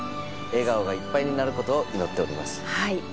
笑顔がいっぱいになることを祈っております。